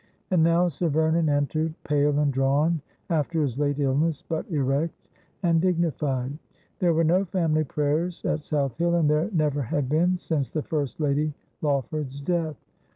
And now Sir Vernon entered, pale and drawn after his late illness, but erect and dignified. There were no family prayers at South Hill, and there never had been since the first Lady Lawford's death.